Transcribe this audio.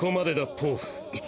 ポーフ。